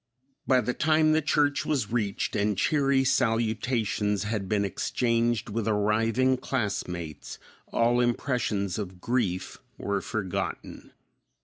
By the time the church was reached and cheery salutations had been exchanged with arriving classmates, all impressions of grief were forgotten.